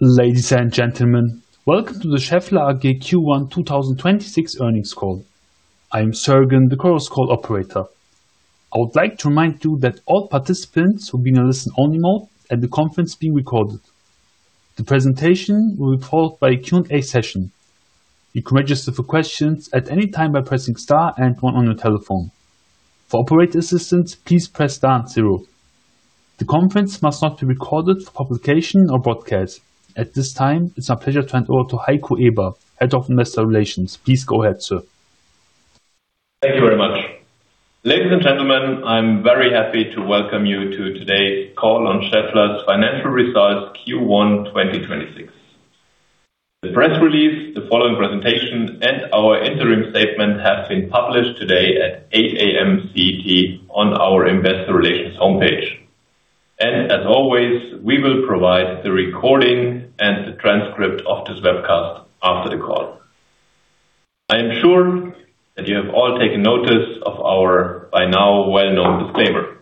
Ladies and gentlemen, welcome to the Schaeffler AG Q1 2026 earnings call. I am Sergen, the Chorus Call operator. I would like to remind you that all participants will be in a listen-only mode and the conference will be recorded. The presentation will be followed by a Q&A session. You can register for questions at any time by pressing star and one on your telephone. For operator assistance, please press star and zero. The conference must not be recorded for publication or broadcast. At this time, it's my pleasure to hand over to Heiko Eber, Head of Investor Relations. Please go ahead, sir. Thank you very much. Ladies and gentlemen, I'm very happy to welcome you to today's call on Schaeffler's Financial Results Q1 2026. The press release, the following presentation, and our interim statement have been published today at 8:00 A.M. CT on our investor relations homepage. As always, we will provide the recording and the transcript of this webcast after the call. I am sure that you have all taken notice of our, by now, well-known disclaimer.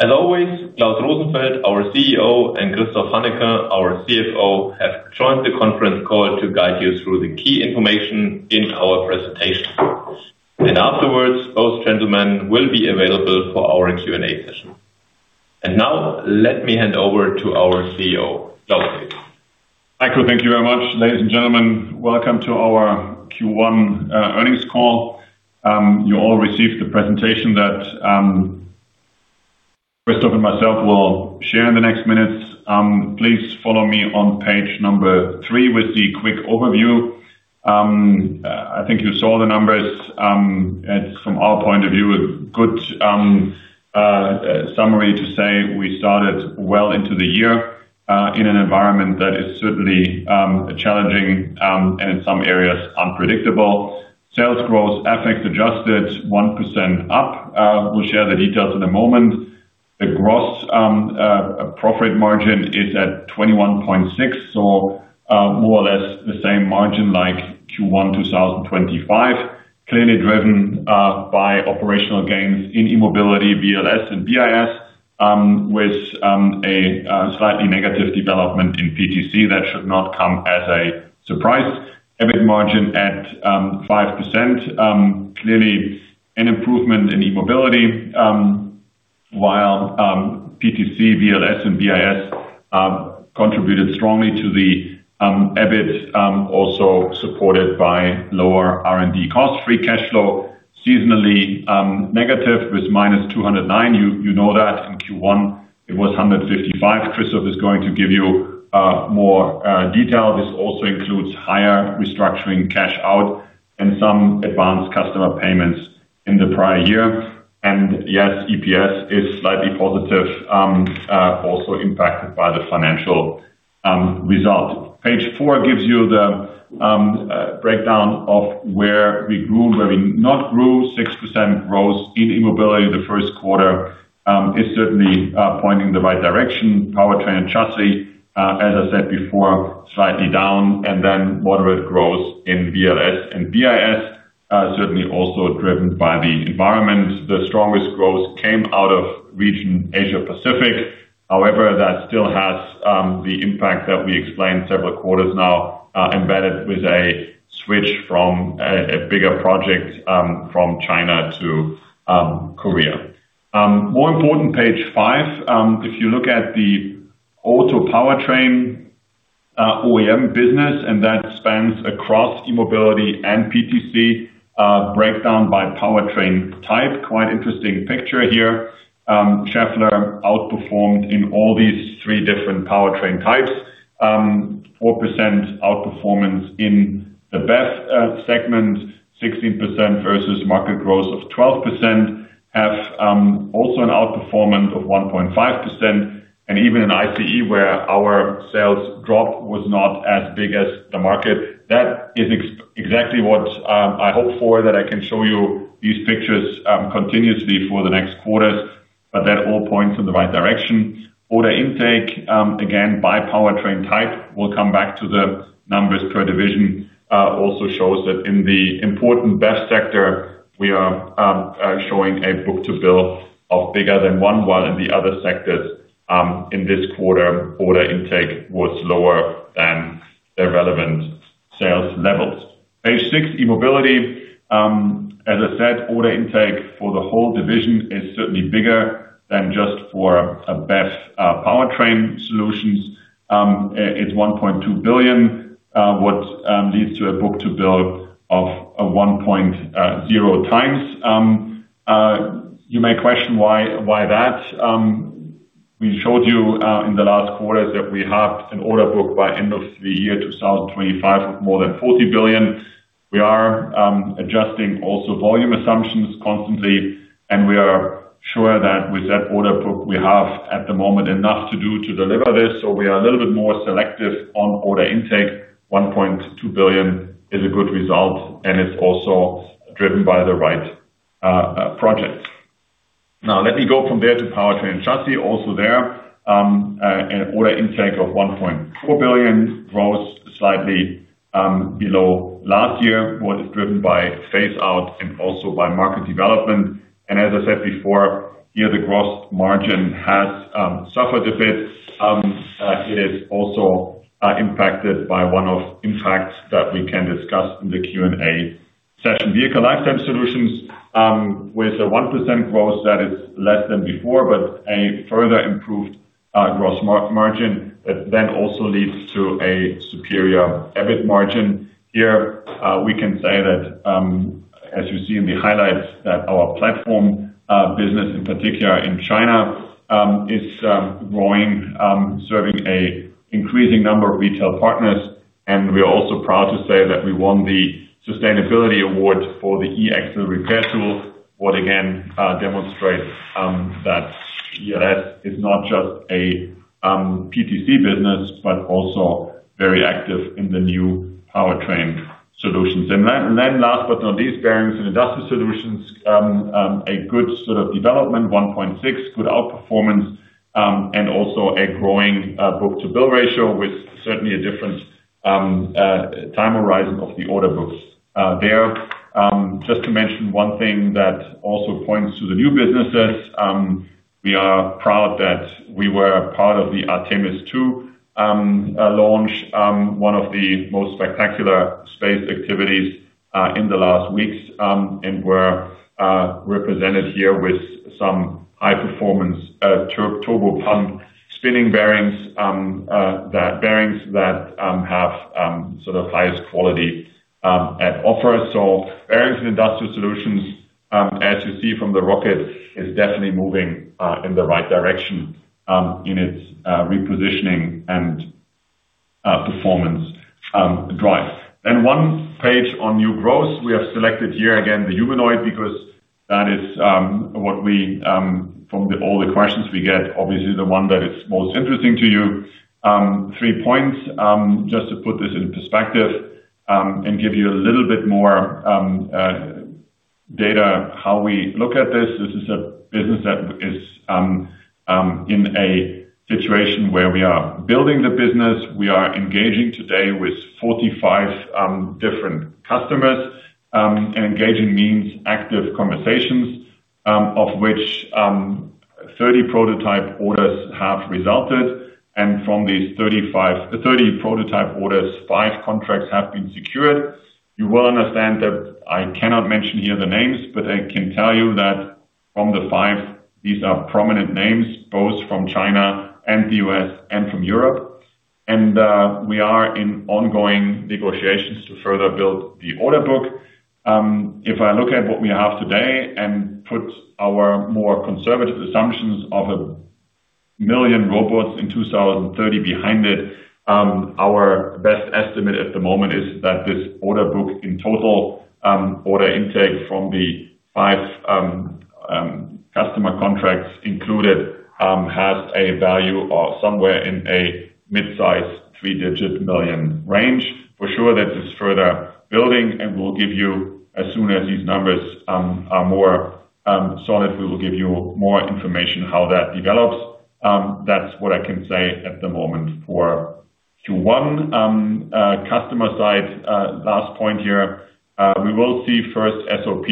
As always, Klaus Rosenfeld, our CEO, and Christophe Hannequin, our CFO, have joined the conference call to guide you through the key information in our presentation. Afterwards, both gentlemen will be available for our Q&A session. Now, let me hand over to our CEO, Klaus. Heiko, thank you very much. Ladies and gentlemen, welcome to our Q1 earnings call. You all received the presentation that Christophe and myself will share in the next minutes. Please follow me on page number three with the quick overview. I think you saw the numbers, and from our point of view, a good summary to say we started well into the year in an environment that is certainly challenging and in some areas, unpredictable. Sales growth, FX-adjusted, 1% up. We'll share the details in a moment. The gross profit margin is at 21.6, so more or less the same margin like Q1 2025. Clearly driven by operational gains in E-Mobility, VLS, with a slightly negative development in PTC. That should not come as a surprise. EBIT margin at 5%, clearly an improvement in E-Mobility, while PTC, VLS, and VLS contributed strongly to the EBIT, also supported by lower R&D costs. Free cash flow, seasonally, negative with -209. You know that in Q1 it was 155. Christophe is going to give you more detail. This also includes higher restructuring cash out and some advanced customer payments in the prior year. Yes, EPS is slightly positive, also impacted by the financial result. Page 4 gives you the breakdown of where we grew, where we not grew. 6% growth in E-Mobility in the Q1 is certainly pointing the right direction. Powertrain & Chassis, as I said before, slightly down, and then moderate growth in VLS and VLS, certainly also driven by the environment. The strongest growth came out of region Asia-Pacific. However, that still has the impact that we explained several quarters now, embedded with a switch from a bigger project from China to Korea. More important, page 5, if you look at the auto powertrain OEM business, and that spans across E-Mobility and PTC, breakdown by powertrain type. Quite interesting picture here. Schaeffler outperformed in all these 3 different powertrain types. 4% outperformance in the BEV segment, 16% versus market growth of 12%. We have also an outperformance of 1.5%, and even in ICE, where our sales drop was not as big as the market. That is exactly what I hope for, that I can show you these pictures continuously for the next quarters, that all points in the right direction. Order intake, again, by powertrain type. We'll come back to the numbers per division. Also shows that in the important BEV sector, we are showing a book-to-bill of bigger than 1, while in the other sectors, in this quarter, order intake was lower than the relevant sales levels. Page 6, E-Mobility. As I said, order intake for the whole division is certainly bigger than just for a BEV powertrain solutions. It's 1.2 billion, what leads to a book-to-bill of 1.0 times. You may question why that. We showed you in the last quarters that we have an order book by end of the year 2025 of more than 40 billion. We are adjusting also volume assumptions constantly. We are sure that with that order book, we have at the moment enough to do to deliver this. We are a little bit more selective on order intake. 1.2 billion is a good result. It is also driven by the right projects. Now let me go from there to Powertrain & Chassis. Also there, an order intake of 1.4 billion, growth slightly below last year. Was driven by phase out and also by market development. As I said before, here the gross margin has suffered a bit. It is also impacted by one of in facts that we can discuss in the Q&A session. Vehicle Lifetime Solutions, with a 1% growth that is less than before, but a further improved gross margin that then also leads to a superior EBIT margin. Here, we can say that, as you see in the highlights, that our platform business in particular in China, is growing, serving a increasing number of retail partners. We are also proud to say that we won the Sustainability Award for the E-Axle repair tool. What again demonstrates that E&S is not just a PTC business, but also very active in the new powertrain solutions. Then last but not least, Bearings & Industrial Solutions. A good sort of development, 1.6, good outperformance, and also a growing book-to-bill ratio with certainly a different time horizon of the order books. There, just to mention one thing that also points to the new businesses, we are proud that we were part of the Artemis II launch. One of the most spectacular space activities in the last weeks, and we're represented here with some high performance turbo pump spinning bearings that have sort of highest quality at offer. Bearings & Industrial Solutions, as you see from the rocket, is definitely moving in the right direction in its repositioning and performance drive. 1 page on new growth. We have selected here again the humanoid because that is what we, from all the questions we get, obviously the one that is most interesting to you. 3 points, just to put this in perspective, and give you a little bit more data how we look at this. This is a business that is in a situation where we are building the business. We are engaging today with 45 different customers. Engaging means active conversations, of which 30 prototype orders have resulted. From these 30 prototype orders, five contracts have been secured. You will understand that I cannot mention here the names, but I can tell you that from the five, these are prominent names, both from China and the U.S. and from Europe. We are in ongoing negotiations to further build the order book. If I look at what we have today and put our more conservative assumptions of 1 million robots in 2030 behind it, our best estimate at the moment is that this order book in total, order intake from the five customer contracts included, has a value of somewhere in a mid-size three-digit million range. For sure, that is further building, and we'll give you as soon as these numbers are more solid, we will give you more information how that develops. That's what I can say at the moment for Q1. Customer side, last point here. We will see first SOP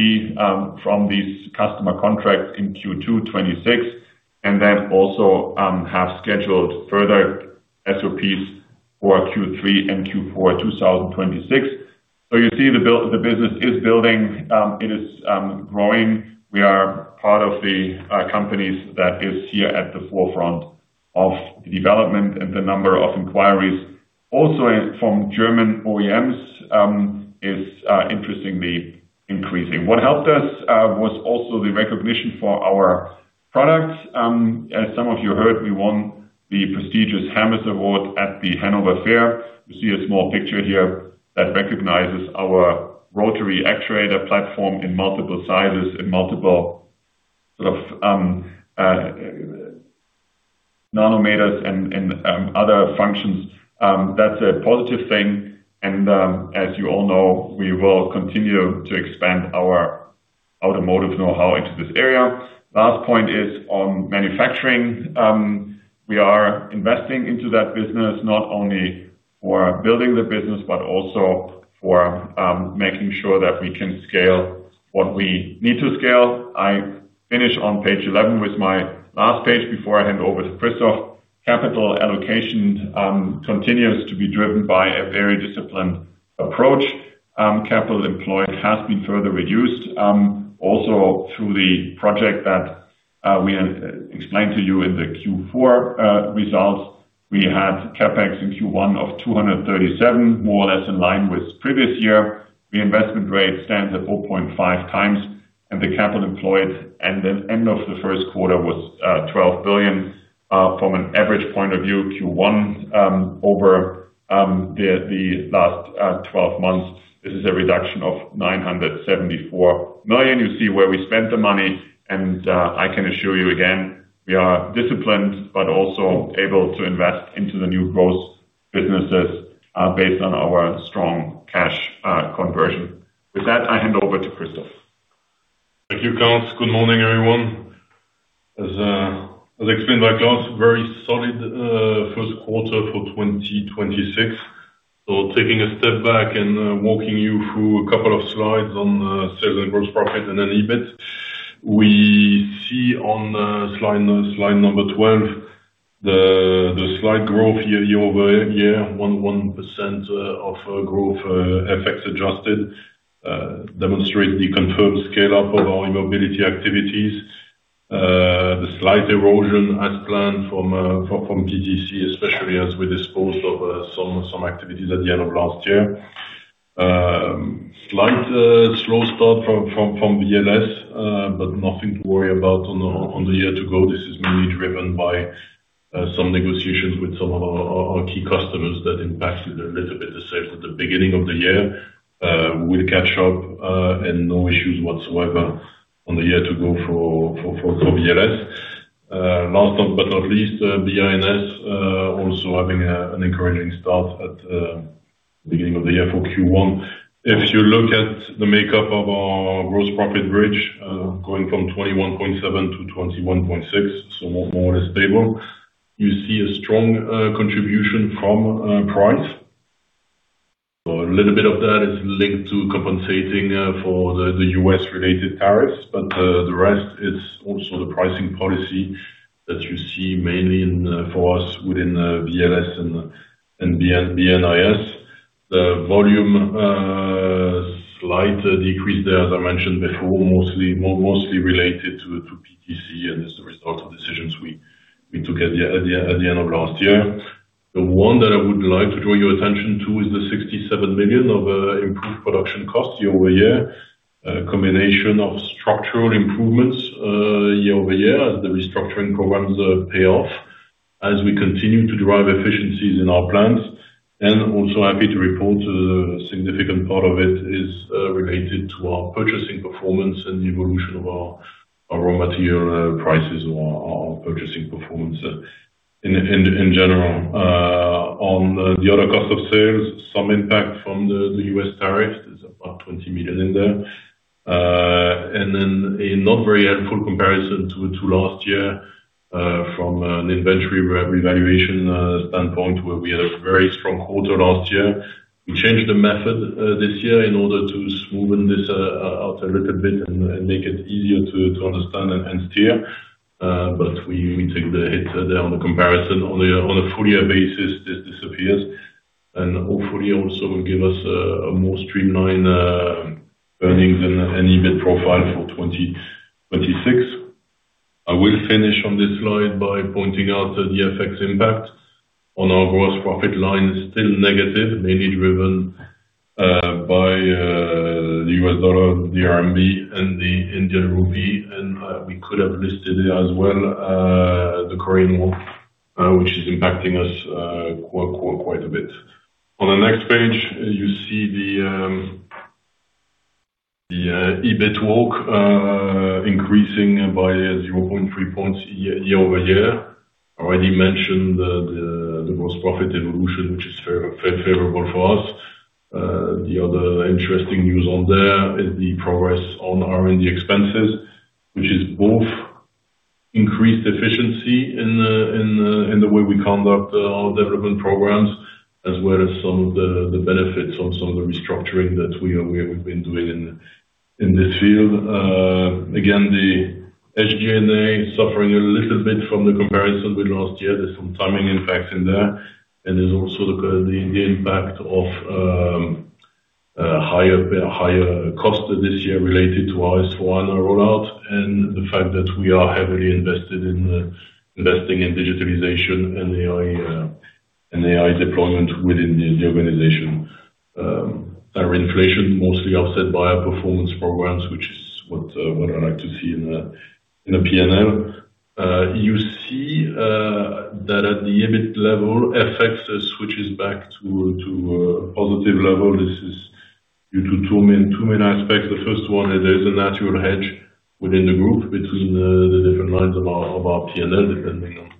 from these customer contracts in Q2 2026 and then also have scheduled further SOPs for Q3 and Q4 2026. You see the business is building. It is growing. We are part of the companies that is here at the forefront of the development and the number of inquiries also from German OEMs is interestingly increasing. What helped us was also the recognition for our products. As some of you heard, we won the prestigious Hermes Award at the Hanover Fair. You see a small picture here that recognizes our rotary actuator platform in multiple sizes, in multiple sort of nanometers and other functions. That's a positive thing and as you all know, we will continue to expand our automotive know-how into this area. Last point is on manufacturing. We are investing into that business not only for building the business, but also for making sure that we can scale what we need to scale. I finish on page 11 with my last page before I hand over to Christophe. Capital allocation continues to be driven by a very disciplined approach. Capital employed has been further reduced also through the project that we had explained to you in the Q4 results. We had CapEx in Q1 of 237, more or less in line with previous year. The investment rate stands at 4.5 times, and the capital employed at the end of the Q1 was 12 billion. From an average point of view, Q1, over the last 12 months, this is a reduction of 974 million. You see where we spent the money. I can assure you again, we are disciplined but also able to invest into the new growth areas. Businesses are based on our strong cash conversion. With that, I hand over to Christophe. Thank you, Klaus. Good morning, everyone. As explained by Klaus, very solid Q1 for 2026. Taking a step back and walking you through a couple of slides on sales and gross profit and then EBIT. We see on slide number 12, the slight growth year-over-year, 1% of growth, FX adjusted, demonstrate the confirmed scale up of our E-Mobility activities. The slight erosion as planned from PTC, especially as we disposed of some activities at the end of last year. Slight slow start from VLS, but nothing to worry about on the year to go. This is mainly driven by some negotiations with some of our key customers that impacted a little bit the sales at the beginning of the year. We'll catch up, no issues whatsoever on the year to go for VLS. Last but not least, the INS also having an encouraging start at the beginning of the year for Q1. If you look at the makeup of our gross profit bridge, going from 21.7 to 21.6, so more or less stable. You see a strong contribution from price. A little bit of that is linked to compensating for the U.S. related tariffs, the rest is also the pricing policy that you see mainly in for us within VLS and INS. The volume, slight decrease there, as I mentioned before, mostly related to PTC, and as a result of decisions we took at the end of last year. The one that I would like to draw your attention to is the 67 million of improved production costs year-over-year. A combination of structural improvements year-over-year as the restructuring programs pay off as we continue to drive efficiencies in our plants. Also happy to report a significant part of it is related to our purchasing performance and the evolution of our raw material prices or our purchasing performance in general. On the other cost of sales, some impact from the US tariffs. There's about 20 million in there. Then a not very helpful comparison to last year, from an inventory re-revaluation standpoint, where we had a very strong quarter last year. We changed the method this year in order to smoothen this out a little bit and make it easier to understand and steer. We, we took the hit there on the comparison. On a, on a full year basis, this disappears. Hopefully also will give us a more streamlined earnings and EBIT profile for 2026. I will finish on this slide by pointing out the FX impact on our gross profit line is still negative, mainly driven by the US dollar, the RMB and the Indian rupee. We could have listed it as well, the Korean Won, which is impacting us quite a bit. On the next page, you see the EBIT walk, increasing by 0.3 points year-over-year. Already mentioned the gross profit evolution, which is very favorable for us. The other interesting news on there is the progress on R&D expenses, which is both increased efficiency in the way we conduct our development programs, as well as some of the benefits on some of the restructuring that we've been doing in this field. Again, the SG&A suffering a little bit from the comparison with last year. There's some timing impacts in there. There's also the impact of higher costs this year related to our S/4HANA rollout and the fact that we are heavily investing in digitalization and AI and AI deployment within the organization. Our inflation mostly offset by our performance programs, which is what I like to see in a P&L. You see that at the EBIT level, FX switches back to a positive level. This is due to two main aspects. The first one is there is a natural hedge within the group between the different lines of our P&L, depending on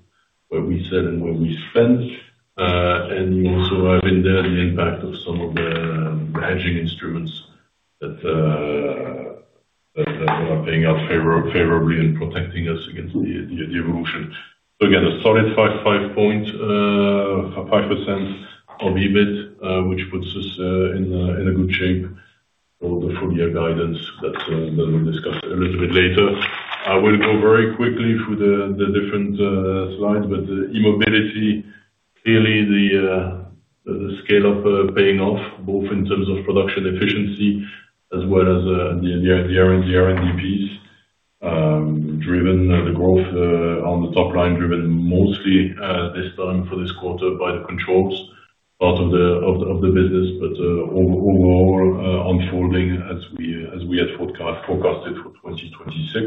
where we sell and where we spend. You also have in there the impact of some of the hedging instruments that are paying out favorably and protecting us against the evolution. Again, a solid 5 point 5% of EBIT, which puts us in a good shape for the full year guidance that we'll discuss a little bit later. I will go very quickly through the different slides, E-Mobility, clearly the scale up paying off, both in terms of production efficiency as well as the R&D. Driven the growth on the top line, driven mostly this time for this quarter by the controls part of the business. Overall, unfolding as we had forecasted for 2026.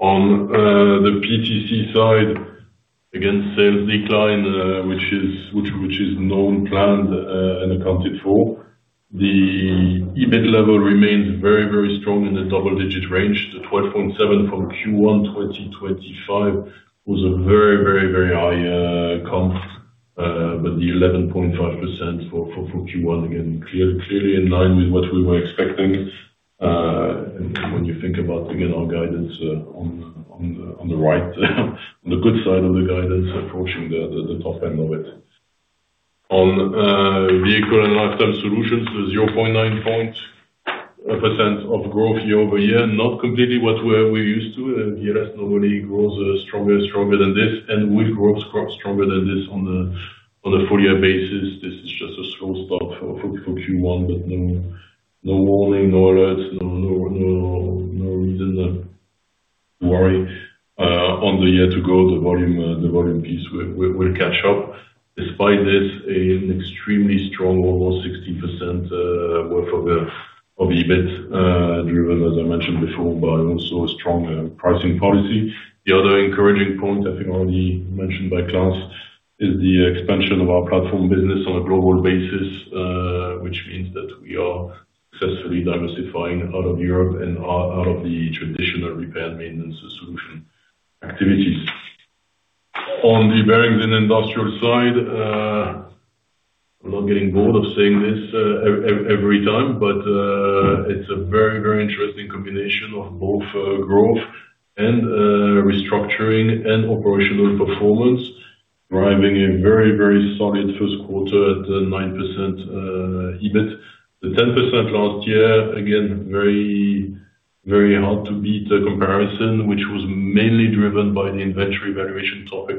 The PTC side, again, sales decline, which is known, planned, and accounted for. The EBIT level remains very strong in the double-digit range. The 12.7 from Q1 2025 was a very high comp, but the 11.5% for Q1, again, clearly in line with what we were expecting, when you think about, again, our guidance on the right on the good side of the guidance, approaching the top end of it. Vehicle Lifetime Solutions, 0.9% of growth year-over-year, not completely what we're used to. Yes, nobody grows stronger than this, and we've grown stronger than this on a full year basis. This is just a slow start for Q1, no warning, no alerts, no reason to worry. On the year to go, the volume piece will catch up. Despite this, an extremely strong, almost 60% work of the EBIT, driven, as I mentioned before, by also a strong pricing policy. The other encouraging point, I think already mentioned by Klaus, is the expansion of our platform business on a global basis, which means that we are successfully diversifying out of Europe and out of the traditional repair and maintenance solution activities. On the Bearings & Industrial Solutions side, I'm not getting bored of saying this every time, but it's a very interesting combination of both growth and restructuring and operational performance, driving a very solid Q1 at the 9% EBIT. The 10% last year, again, very hard to beat the comparison, which was mainly driven by the inventory valuation topic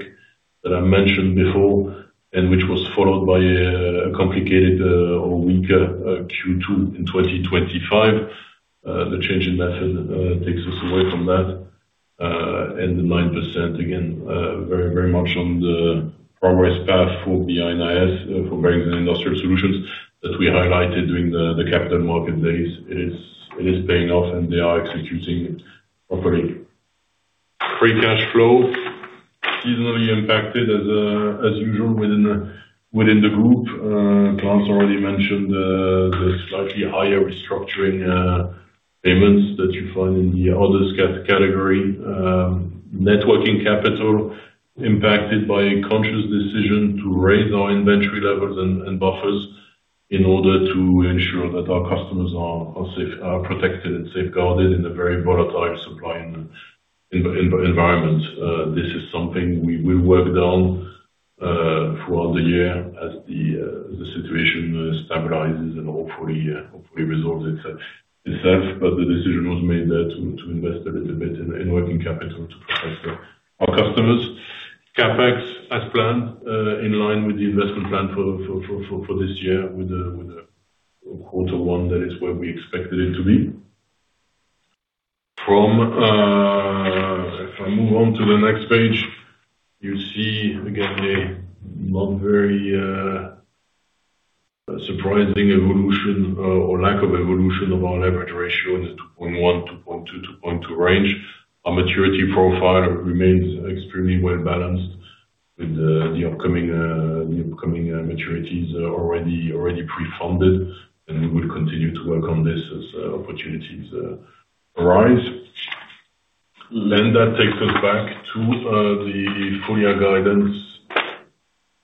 that I mentioned before, and which was followed by a complicated or weaker Q2 in 2025. The change in method takes us away from that. The 9%, again, very much on the progress path for the in IS, for Bearings & Industrial Solutions that we highlighted during the capital market days. It is paying off, and they are executing properly. Free cash flow seasonally impacted as usual within the group. Klaus already mentioned the slightly higher restructuring payments that you find in the other category. Networking capital impacted by a conscious decision to raise our inventory levels and buffers in order to ensure that our customers are protected and safeguarded in a very volatile supply environment. This is something we will work down throughout the year as the situation stabilizes and hopefully resolves itself. The decision was made there to invest a little bit in working capital to protect our customers. CapEx, as planned, in line with the investment plan for this year with a quarter 1 that is where we expected it to be. From, if I move on to the next page, you see again a not very surprising evolution or lack of evolution of our leverage ratio in the 2.1, 2.2.2 range. Our maturity profile remains extremely well-balanced with the upcoming maturities already pre-funded, and we will continue to work on this as opportunities arise. That takes us back to the full year guidance,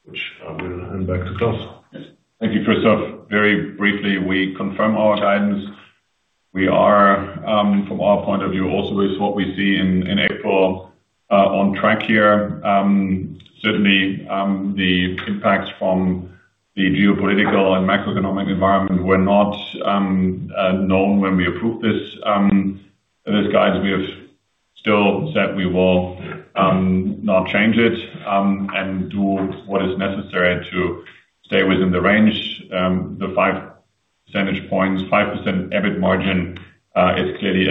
which I will hand back to Klaus. Yes. Thank you, Christophe. Very briefly, we confirm our guidance. We are from our point of view also with what we see in April on track here. Certainly, the impacts from the geopolitical and macroeconomic environment were not known when we approved this guidance. We have still said we will not change it and do what is necessary to stay within the range. The 5 percentage points, 5% EBIT margin is clearly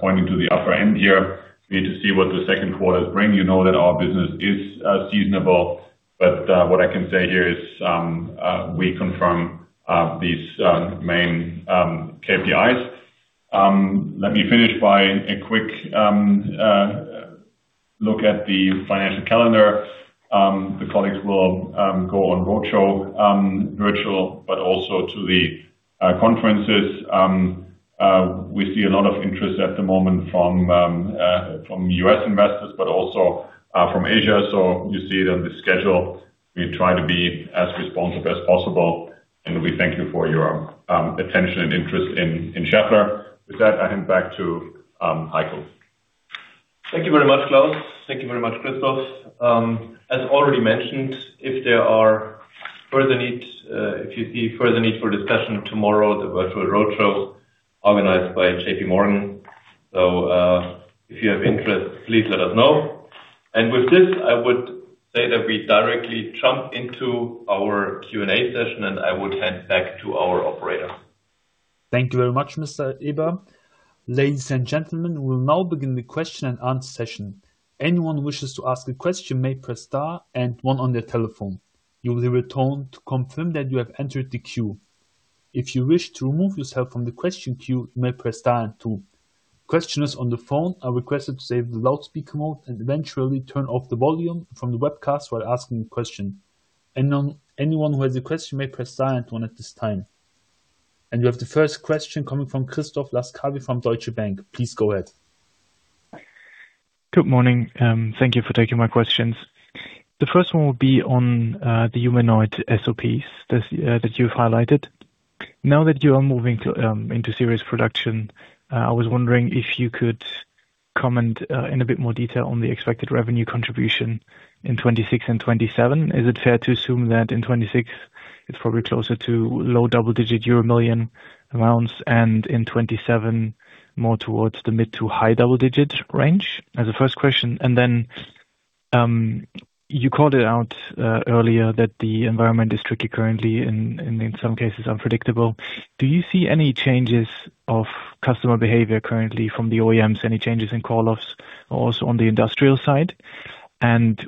pointing to the upper end here. We need to see what the bring. You know that our business is seasonable. What I can say here is I confirm these main KPIs. Let me finish by a quick look at the financial calendar. The colleagues will go on road show, virtual, but also to the conferences. We see a lot of interest at the moment from U.S. investors, but also from Asia. You see it on the schedule. We try to be as responsive as possible, and we thank you for your attention and interest in Schaeffler. With that, I hand back to Heiko. Thank you very much, Klaus. Thank you very much, Christophe. As already mentioned, if there are further needs, if you see further need for discussion tomorrow, the virtual road show organized by JPMorgan. If you have interest, please let us know. With this, I would say that we directly jump into our Q&A session, and I would hand back to our operator. Thank you very much, Mr. Eber. Ladies and gentlemen, we'll now begin the question and answer session. Anyone who wishes to ask a question may press star and one on their telephone. You will hear a tone to confirm that you have entered the queue. If you wish to remove yourself from the question queue, you may press star and two. Questioners on the phone are requested to stay with the loudspeaker mode and eventually turn off the volume from the webcast while asking a question. Now anyone who has a question may press star at one at this time. We have the first question coming from Christoph Laskawi from Deutsche Bank. Please go ahead. Good morning. Thank you for taking my questions. The first one will be on the humanoid SOPs that you've highlighted. Now that you are moving into serious production, I was wondering if you could comment in a bit more detail on the expected revenue contribution in 2026 and 2027. Is it fair to assume that in 2026 it's probably closer to low double-digit million euros amounts, and in 2027 more towards the mid to high double-digit range? As a first question. You called it out earlier that the environment is tricky currently and in some cases unpredictable. Do you see any changes of customer behavior currently from the OEMs? Any changes in call-offs also on the industrial side?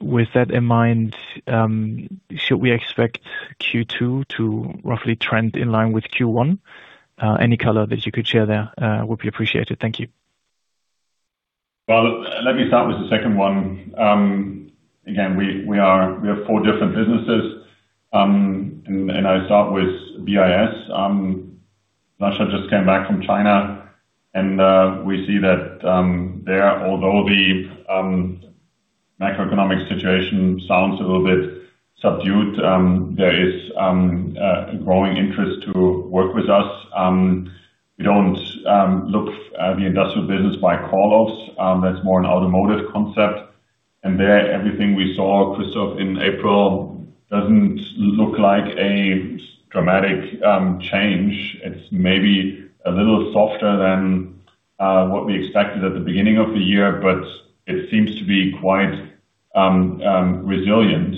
With that in mind, should we expect Q2 to roughly trend in line with Q1? Any color that you could share there, would be appreciated. Thank you. Well, let me start with the second one. Again, we have four different businesses. I start with BIS. Nasha just came back from China, we see that there although the macroeconomic situation sounds a little bit subdued, there is growing interest to work with us. We don't look at the industrial business by call-offs, that's more an automotive concept. There, everything we saw, Christoph, in April doesn't look like a dramatic change. It's maybe a little softer than what we expected at the beginning of the year, but it seems to be quite resilient.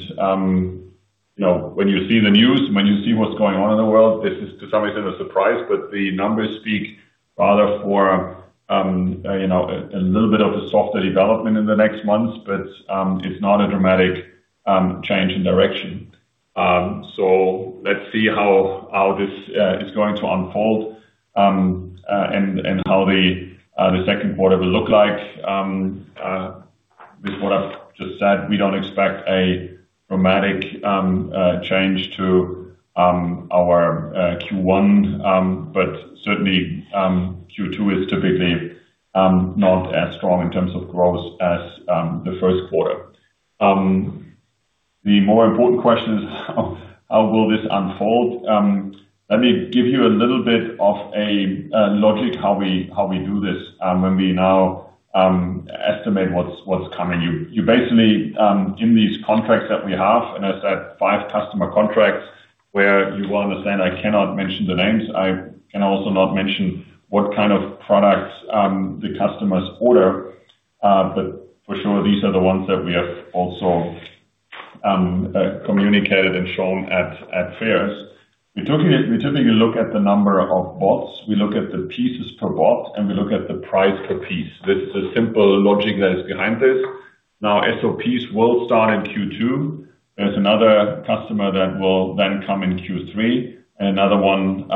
You know, when you see the news, when you see what's going on in the world, this is to some extent a surprise, but the numbers speak rather for, you know, a little bit of a softer development in the next months. It's not a dramatic change in direction. Let's see how this is going to unfold and how the Q2 will look like. With what I've just said, we don't expect a dramatic change to our Q1, certainly Q2 is typically not as strong in terms of growth as the Q1. The more important question is how will this unfold? Let me give you a little bit of a logic how we do this when we now estimate what's coming. You basically in these contracts that we have, and as I said, five customer contracts where you will understand I cannot mention the names. I can also not mention what kind of products the customers order. For sure, these are the ones that we have also communicated and shown at fairs. We typically look at the number of bots. We look at the pieces per bot, and we look at the price per piece. This is a simple logic that is behind this. SOPs will start in Q2. There's another customer that will then come in Q3 and another one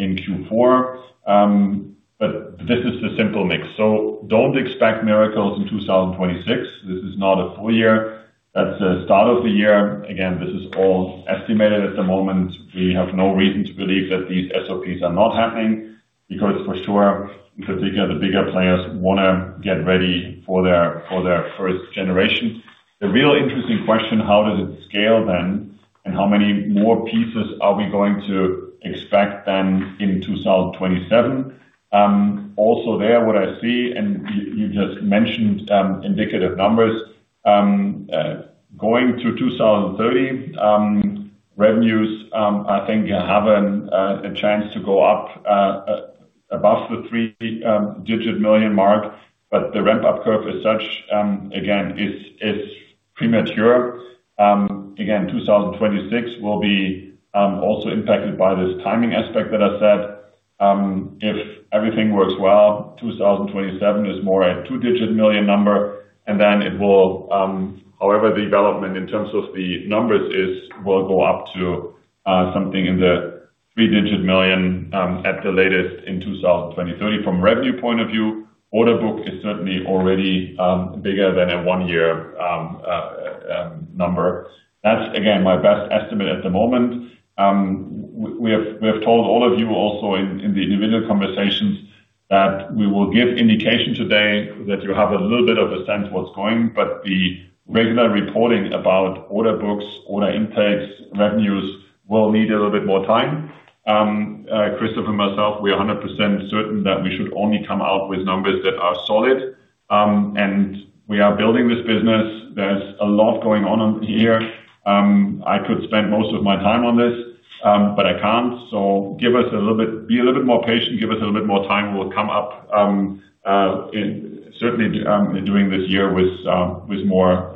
in Q4. This is the simple mix. Don't expect miracles in 2026. This is not a full year. That's the start of the year. Again, this is all estimated at the moment. We have no reason to believe that these SOPs are not happening because for sure, in particular, the bigger players wanna get ready for their, for their first generation. The real interesting question, how does it scale then? How many more pieces are we going to expect then in 2027? Also there, what I see and you just mentioned, indicative numbers going to 2030, revenues I think have a chance to go up above the three-digit million mark. The ramp-up curve as such, again, is premature. Again, 2026 will be also impacted by this timing aspect that I said. If everything works well, 2027 is more a two-digit million euros number, and then it will, however, the development in terms of the numbers is, will go up to something in the three-digit million euros, at the latest in 2030. From revenue point of view, order book is certainly already bigger than a one-year number. That's again, my best estimate at the moment. We have told all of you also in the individual conversations that we will give indication today that you have a little bit of a sense what's going, but the regular reporting about order books, order intakes, revenues will need a little bit more time. Christophe and myself, we are 100% certain that we should only come out with numbers that are solid. We are building this business. There's a lot going on here. I could spend most of my time on this, but I can't. Give us a little bit more patient. Give us a little bit more time. We'll come up, certainly, during this year with more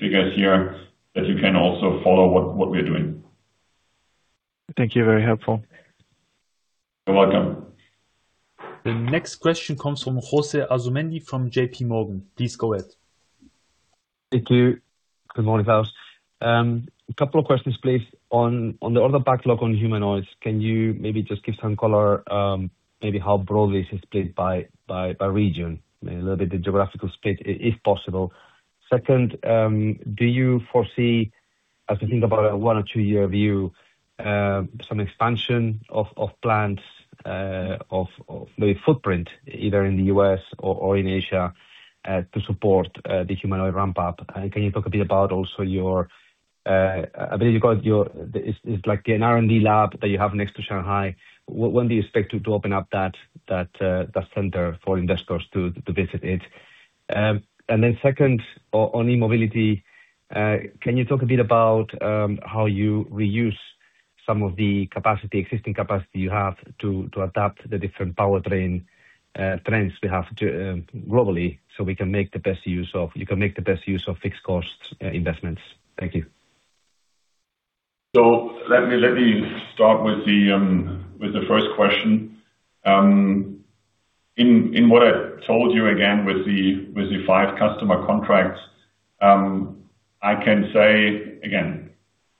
figures here that you can also follow what we're doing. Thank you. Very helpful. You're welcome. The next question comes from José Asumendi from JPMorgan. Please go ahead. Thank you. Good morning, Klaus. A couple of questions, please, on the order backlog on humanoid. Can you maybe just give some color, maybe how broadly this is split by region? Maybe a little bit the geographical split if possible. Second, do you foresee, as you think about a one or two year view, some expansion of plants, of maybe footprint either in the U.S. or in Asia, to support the humanoid ramp up? Can you talk a bit about also your R&D lab that you have next to Shanghai. When do you expect to open up that center for investors to visit it? Second, on E-Mobility, can you talk a bit about how you reuse some of the capacity, existing capacity you have to adapt the different powertrain trends we have to globally, so you can make the best use of fixed costs investments? Thank you. Let me start with the 1st question. In what I told you again with the 5 customer contracts, I can say again,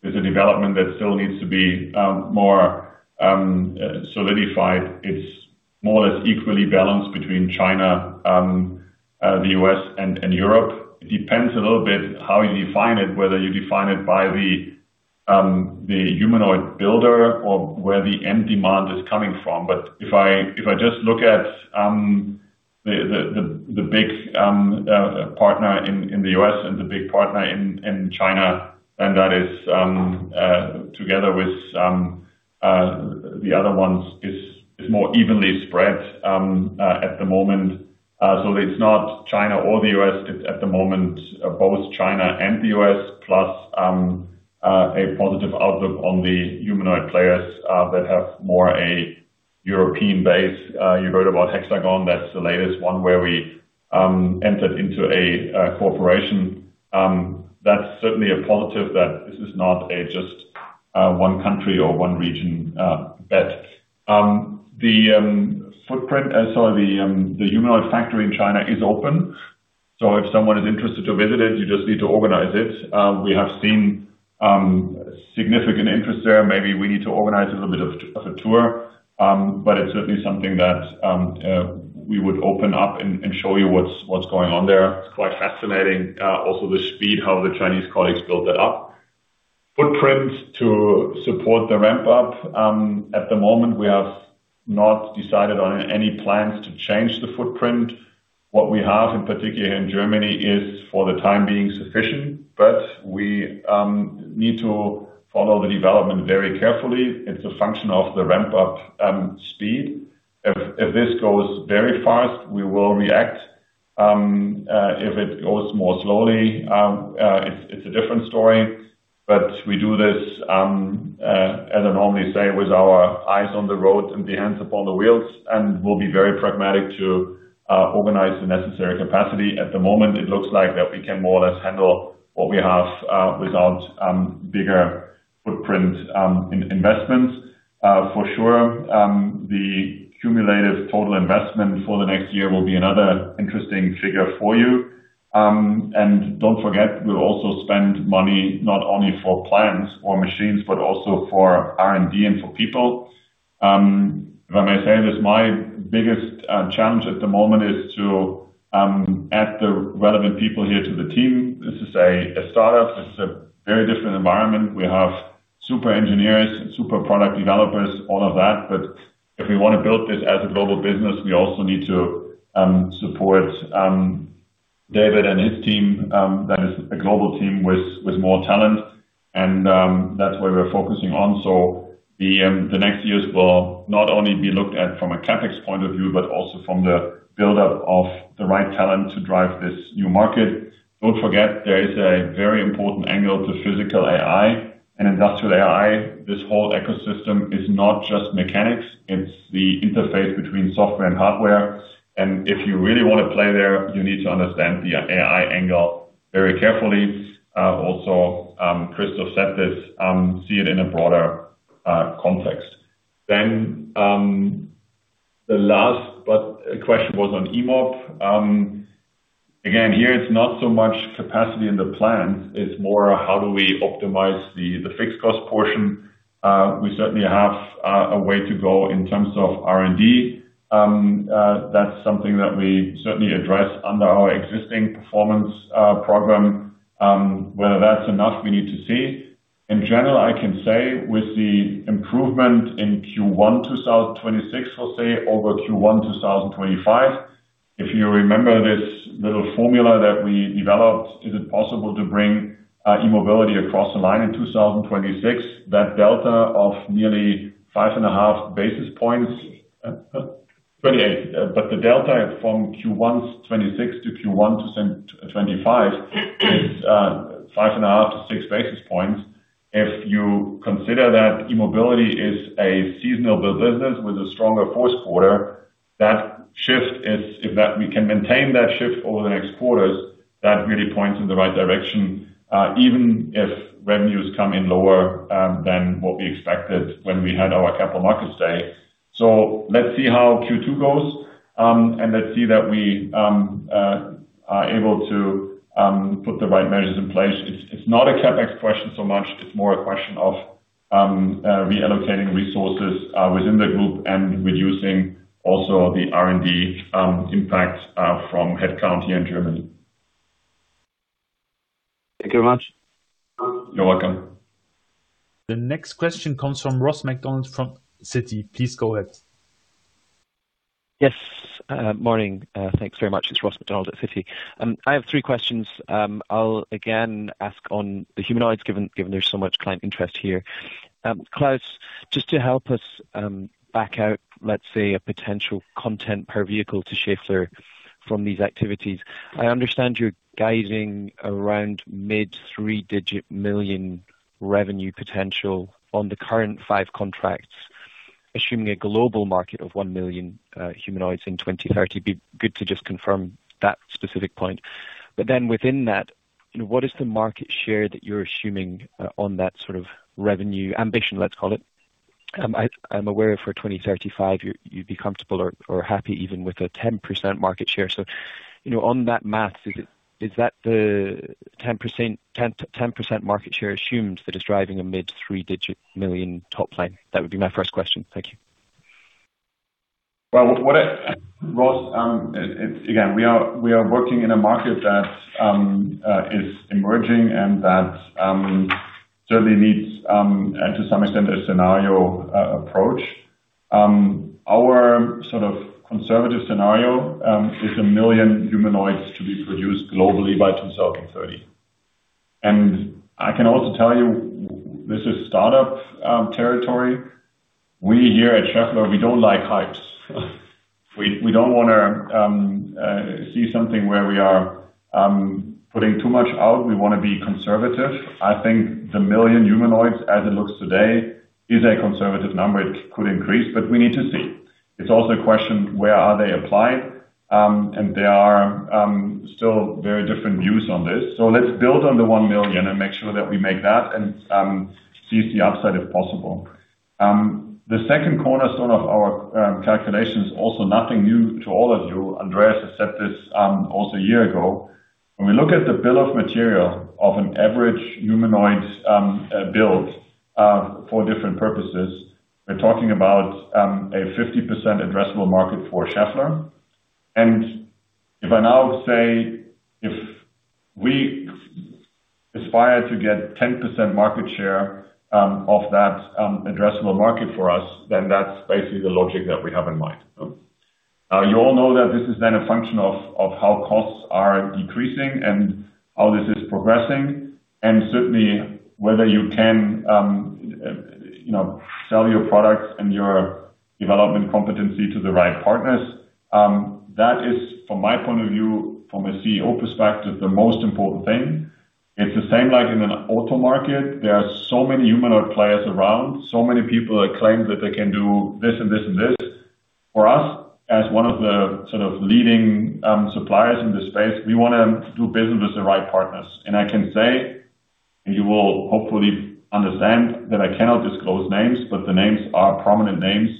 there's a development that still needs to be more solidified. It's more or less equally balanced between China, the U.S. and Europe. It depends a little bit how you define it, whether you define it by the humanoid builder or where the end demand is coming from. If I just look at the big partner in the U.S. and the big partner in China, then that is together with the other ones, is more evenly spread at the moment. It's not China or the U.S. at the moment. Both China and the U.S., plus a positive outlook on the humanoid players that have more a European base. You heard about Hexagon. That's the latest one where we entered into a cooperation. That's certainly a positive that this is not a just one country or one region bet. The footprint, sorry, the humanoid factory in China is open, so if someone is interested to visit it, you just need to organize it. We have seen significant interest there. Maybe we need to organize a little bit of a tour. But it's certainly something that we would open up and show you what's going on there. It's quite fascinating, also the speed how the Chinese colleagues built that up. Footprints to support the ramp up. At the moment, we have not decided on any plans to change the footprint. What we have, in particular in Germany, is for the time being sufficient, but we need to follow the development very carefully. It's a function of the ramp up speed. If this goes very fast, we will react. If it goes more slowly, it's a different story. We do this, as I normally say, with our eyes on the road and the hands upon the wheels, and we'll be very pragmatic to organize the necessary capacity. At the moment, it looks like that we can more or less handle what we have without bigger footprint investments. For sure, the cumulative total investment for the next year will be another interesting figure for you. Don't forget, we'll also spend money not only for plants or machines, but also for R&D and for people. If I may say this, my biggest challenge at the moment is to add the relevant people here to the team. This is a startup. It's a very different environment. We have super engineers and super product developers, all of that, but if we want to build this as a global business, we also need to support David and his team, that is a global team with more talent. That's where we're focusing on. The next years will not only be looked at from a CapEx point of view, but also from the buildup of the right talent to drive this new market. Don't forget, there is a very important angle to physical AI and industrial AI. This whole ecosystem is not just mechanics, it's the interface between software and hardware. If you really wanna play there, you need to understand the AI angle very carefully. Also, Christophe said this, see it in a broader context. The last question was on eMOB. Again, here it's not so much capacity in the plant, it's more how do we optimize the fixed cost portion. We certainly have a way to go in terms of R&D. That's something that we certainly address under our existing performance program. Whether that's enough, we need to see. In general, I can say with the improvement in Q1 2026, let's say, over Q1 2025, if you remember this little formula that we developed, is it possible to bring E-Mobility across the line in 2026? That delta of nearly 5.5 basis points, 28. The delta from Q1 26 to Q1 25 is 5.5 to 6 basis points. If you consider that E-Mobility is a seasonal business with a stronger Q4, we can maintain that shift over the next quarters, that really points in the right direction, even if revenues come in lower than what we expected when we had our capital markets day. Let's see how Q2 goes, and let's see that we are able to put the right measures in place. It's not a CapEx question so much, it's more a question of reallocating resources within the group and reducing also the R&D impact from headcount here in Germany. Thank you very much. You're welcome. The next question comes from Ross MacDonald from Citi. Please go ahead. Yes. Morning. Thanks very much. It is Ross MacDonald at Citi. I have 3 questions. I will again ask on the humanoids, given there is so much client interest here. Klaus, just to help us back out, let us say, a potential content per vehicle to Schaeffler from these activities. I understand you are guiding around mid three-digit million revenue potential on the current 5 contracts, assuming a global market of 1 million humanoids in 2030. It would be good to just confirm that specific point. Within that, what is the market share that you are assuming on that sort of revenue ambition, let us call it? I am aware for 2035, you would be comfortable or happy even with a 10% market share. You know, on that math, is that the 10% market share assumed that is driving a mid three-digit million euros top line? That would be my first question. Thank you. Well, Ross, it's, again, we are working in a market that is emerging and that certainly needs to some extent, a scenario approach. Our sort of conservative scenario is 1 million humanoids to be produced globally by 2030. I can also tell you, this is startup territory. We here at Schaeffler, we don't like hypes. We don't wanna see something where we are putting too much out. We wanna be conservative. I think the 1 million humanoids, as it looks today, is a conservative number. It could increase, but we need to see. It's also a question, where are they applied? There are still very different views on this. Let's build on the 1 million and make sure that we make that and seize the upside if possible. The second cornerstone of our calculation is also nothing new to all of you. Andreas has said this also a year ago. When we look at the bill of material of an average humanoid build for different purposes, we're talking about a 50% addressable market for Schaeffler. If I now say, if we aspire to get 10% market share of that addressable market for us, that's basically the logic that we have in mind. You all know that this is a function of how costs are decreasing and how this is progressing, and certainly whether you can, you know, sell your products and your development competency to the right partners. That is, from my point of view, from a CEO perspective, the most important thing. It's the same like in an auto market. There are so many humanoid players around, so many people that claim that they can do this and this and this. For us, as one of the sort of leading suppliers in this space, we wanna do business with the right partners. I can say, and you will hopefully understand that I cannot disclose names, but the names are prominent names.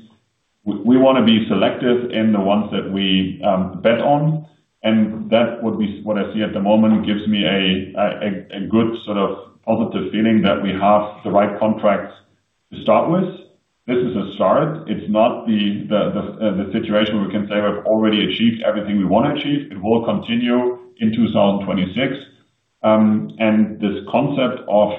We wanna be selective in the ones that we bet on, and that what I see at the moment gives me a good sort of positive feeling that we have the right contracts to start with. This is a start. It's not the situation we can say we've already achieved everything we wanna achieve. It will continue in 2026. This concept of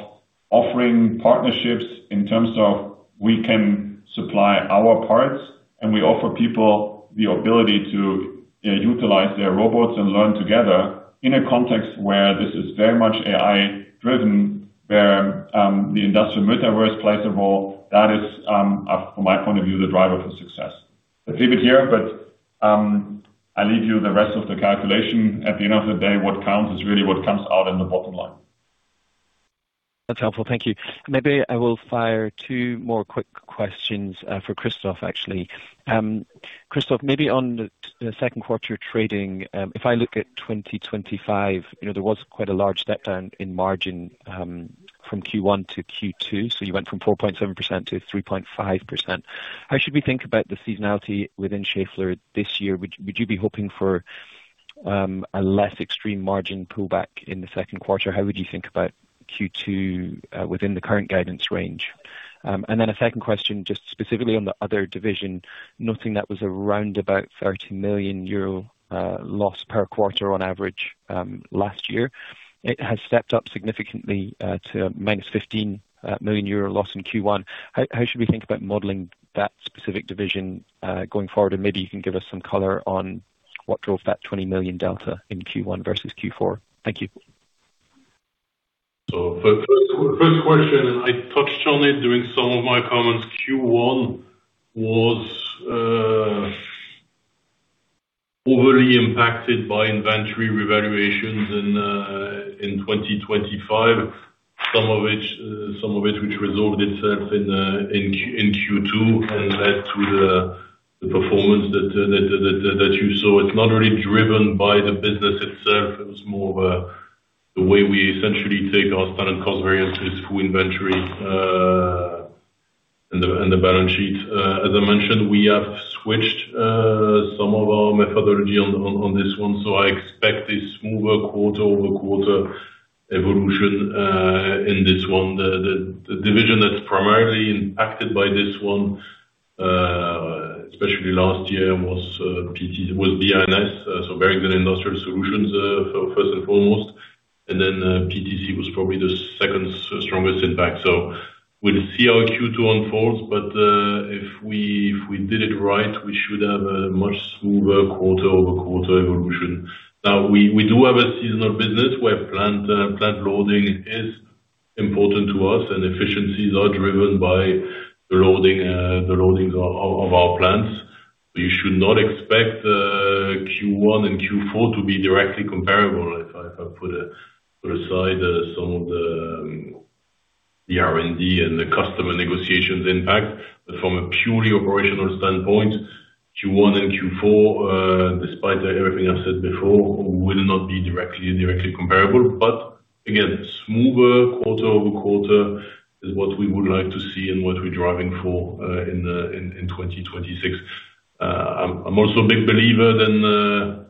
offering partnerships in terms of we can supply our parts, and we offer people the ability to utilize their robots and learn together in a context where this is very much AI-driven, where the industrial metaverse plays a role, that is from my point of view, the driver for success. Let's leave it here, I leave you the rest of the calculation. At the end of the day, what counts is really what comes out in the bottom line. That's helpful. Thank you. Maybe I will fire two more quick questions for Christophe, actually. Christophe, maybe on the Q2 trading, if I look at 2025, you know, there was quite a large step down in margin from Q1 to Q2. You went from 4.7% to 3.5%. How should we think about the seasonality within Schaeffler this year? Would you be hoping for a less extreme margin pullback in the Q2? How would you think about Q2 within the current guidance range? Then a second question, just specifically on the other division, noting that was around about 30 million euro loss per 1/4 on average last year. It has stepped up significantly to -15 million euro loss in Q1. How should we think about modeling that specific division going forward? Maybe you can give us some color on what drove that 20 million delta in Q1 versus Q4. Thank you. For first question, I touched on it during some of my comments. Q1 was overly impacted by inventory revaluations in 2025, some of it which resolved itself in Q2 and led to the performance that you saw. It's not really driven by the business itself. It was more of a The way we essentially take our standard cost variance is full inventory in the balance sheet. As I mentioned, we have switched some of our methodology on this one, so I expect a smoother quarter-over-quarter evolution in this one. The division that's primarily impacted by this one, especially last year was BINS, so Bearings & Industrial Solutions, first and foremost. PTC was probably the second strongest impact. We'll see how Q2 unfolds, but if we did it right, we should have a much smoother quarter-over-quarter evolution. Now, we do have a seasonal business where plant loading is important to us, and efficiencies are driven by the loading of our plants. You should not expect Q1 and Q4 to be directly comparable. If I put aside some of the R&D and the customer negotiations impact. From a purely operational standpoint, Q1 and Q4, despite everything I've said before, will not be directly comparable. Smoother quarter-over-quarter is what we would like to see and what we're driving for in 2026. I'm also a big believer than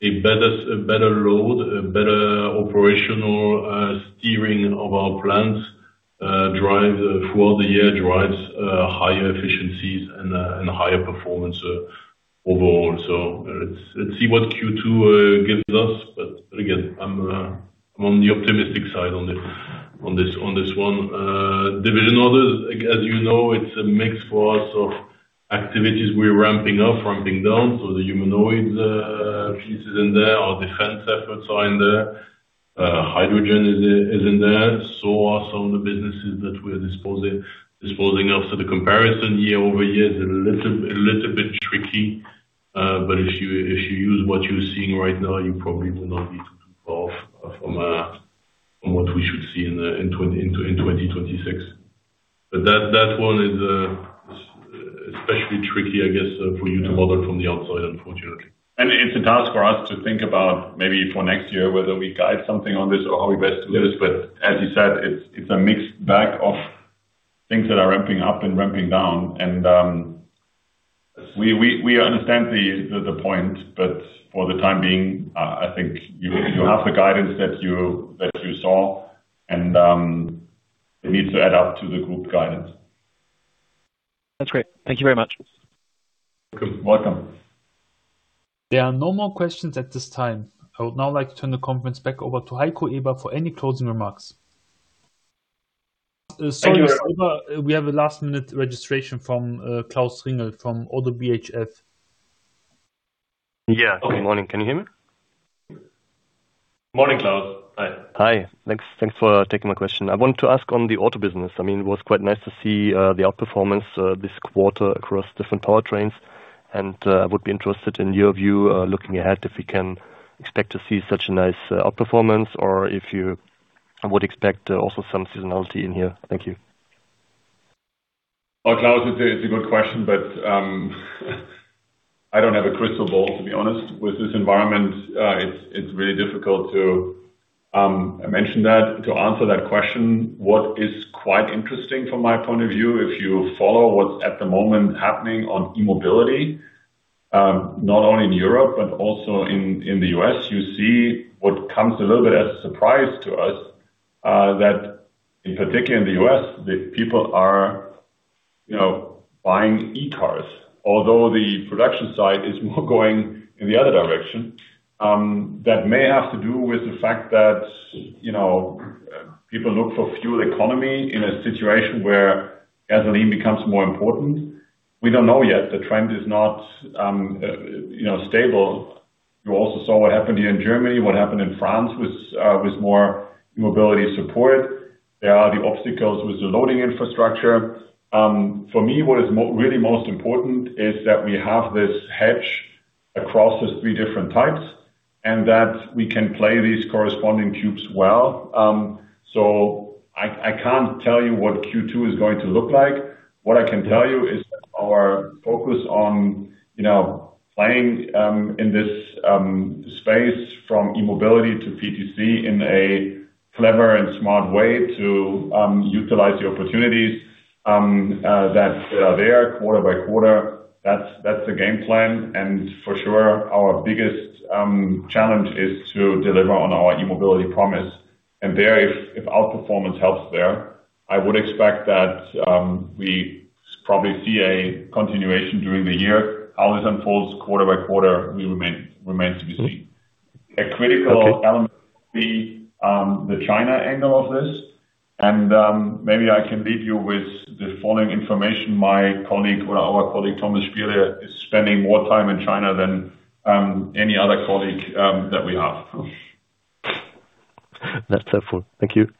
a better load, a better operational steering of our plants, drive throughout the year, drives higher efficiencies and higher performance overall. Let's see what Q2 gives us. I'm on the optimistic side on this one. Division orders, as you know, it's a mix for us of activities we're ramping up, ramping down. The humanoid piece is in there. Our defense efforts are in there. Hydrogen is in there. Are some of the businesses that we're disposing of. The comparison year-over-year is a little bit tricky. If you use what you're seeing right now, you probably do not need to be off from what we should see in 2026. That one is especially tricky, I guess, for you to model from the outside, unfortunately. It's a task for us to think about maybe for next year, whether we guide something on this or how we best do this. As you said, it's a mixed bag of things that are ramping up and ramping down. We understand the point, but for the time being, I think you have the guidance that you saw and, it needs to add up to the group guidance. That's great. Thank you very much. You're welcome. There are no more questions at this time. I would now like to turn the conference back over to Heiko Eber for any closing remarks. Sorry, Mr. Eber. We have a last-minute registration from Claus Singel from ODDO BHF. Yeah. Good morning. Can you hear me? Morning, Claus. Hi. Hi. Thanks, thanks for taking my question. I want to ask on the auto business. I mean, it was quite nice to see the outperformance this quarter across different powertrains. I would be interested in your view, looking ahead, if we can expect to see such a nice outperformance or if you would expect also some seasonality in here. Thank you. Klaus, it's a good question, I don't have a crystal ball, to be honest. With this environment, it's really difficult to mention that. To answer that question, what is quite interesting from my point of view, if you follow what's at the moment happening on E-Mobility, not only in Europe but also in the U.S., you see what comes a little bit as a surprise to us, that in particular in the U.S., the people are, you know, buying e-cars. The production side is more going in the other direction. That may have to do with the fact that, you know, people look for fuel economy in a situation where gasoline becomes more important. We don't know yet. The trend is not, you know, stable. You also saw what happened here in Germany, what happened in France with more E-Mobility support. There are the obstacles with the loading infrastructure. For me, what is really most important is that we have this hedge across those 3 different types, and that we can play these corresponding cubes well. I can't tell you what Q2 is going to look like. What I can tell you is our focus on, you know, playing in this space from E-Mobility to PTC in a clever and smart way to utilize the opportunities that are there quarter by quarter. That's the game plan. For sure, our biggest challenge is to deliver on our E-Mobility promise. There, if outperformance helps there, I would expect that we probably see a continuation during the year. How this unfolds quarter by quarter remains to be seen. A critical element will be the China angle of this. Maybe I can leave you with the following information. My colleague, our colleague, Thomas Stierle, is spending more time in China than any other colleague that we have. That's helpful. Thank you.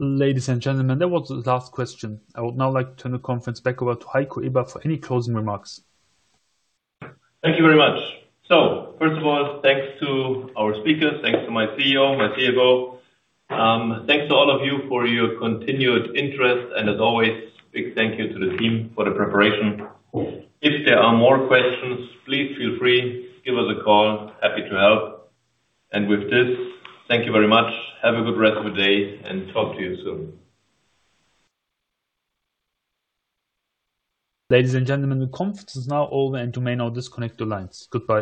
Ladies and gentlemen, that was the last question. I would now like to turn the conference back over to Heiko Eber for any closing remarks. Thank you very much. First of all, thanks to our speakers. Thanks to my CEO, CFO. Thanks to all of you for your continued interest. As always, big thank you to the team for the preparation. If there are more questions, please feel free, give us a call. Happy to help. With this, thank you very much. Have a good rest of your day, and talk to you soon. Ladies and gentlemen, the conference is now over, and you may now disconnect your lines. Goodbye.